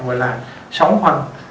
gọi là sống phân